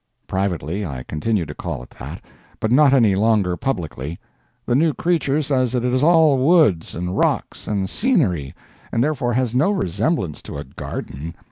_ Privately, I continue to call it that, but not any longer publicly. The new creature says it is all woods and rocks and scenery, and therefore has no resemblance to a garden.